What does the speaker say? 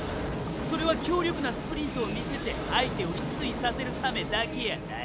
それは強力なスプリントを見せて相手を失意させるためだけやない。